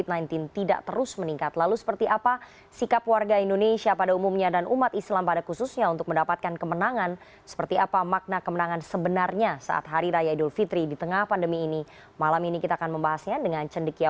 baju lebaran kemudian mereka berencana